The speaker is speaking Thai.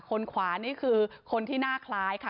ขวานี่คือคนที่หน้าคล้ายค่ะ